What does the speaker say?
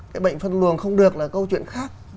cái bệnh phân luồng không được là câu chuyện khác